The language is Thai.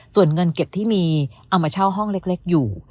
ส่วนเงินเก็บที่มีเอามาเช่าห้องเล็กอยู่